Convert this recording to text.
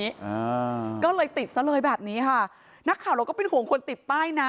อ่าก็เลยติดซะเลยแบบนี้ค่ะนักข่าวเราก็เป็นห่วงคนติดป้ายนะ